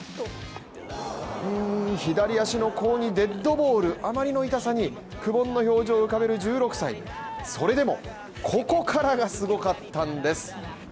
左足の甲にデッドボールあまりの痛さに苦もんの表情を浮かべる１６歳それでもここからが凄かったんです。